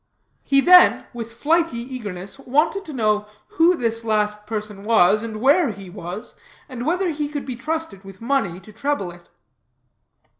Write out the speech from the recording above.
He then, with flighty eagerness, wanted to know who this last person was, and where he was, and whether he could be trusted with money to treble it.